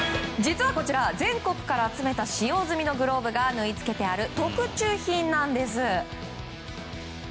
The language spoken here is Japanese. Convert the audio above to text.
実はこちら全国から集めた使用済みのグローブが縫い付けてある特注品なんです。